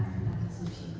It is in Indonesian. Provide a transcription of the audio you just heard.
di tanah suci